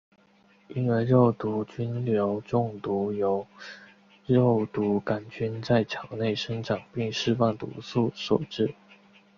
婴儿肉毒杆菌中毒由肉毒杆菌在肠内生长并释放毒素所致。